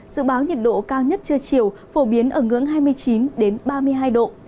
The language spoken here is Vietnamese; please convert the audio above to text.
dự báo nhiệt độ cao nhất trưa chiều phổ biến ở ngưỡng hai mươi chín ba mươi hai độ